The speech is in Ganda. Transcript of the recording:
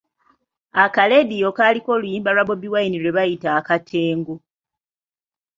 Akaleediyo kaaliko oluyimba lwa Bobi Wine lwe bayita Akatengo.